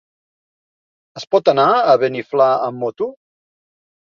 Es pot anar a Beniflà amb moto?